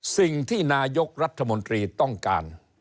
สิ่งที่นายกรัฐมนตรีต้องการ